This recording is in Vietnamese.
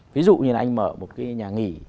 ví dụ như là anh mở một cái nhà nghỉ